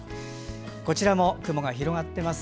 こちらも雲が広がっています。